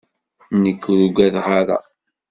Nekk ur ugadeɣ ara.